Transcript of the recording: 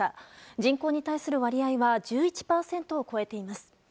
人口に対する割合は１１％を超えています。